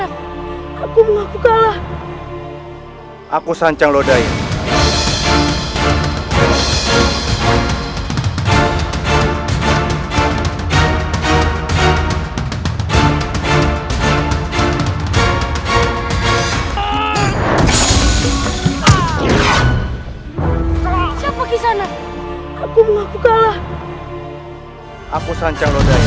aku mau tahu seberapa hebat